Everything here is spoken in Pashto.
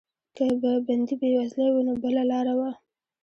که به بندي بېوزلی و نو بله لاره وه.